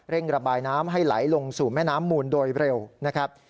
ระบายน้ำให้ไหลลงสู่แม่น้ำมูลโดยเร็วนะครับ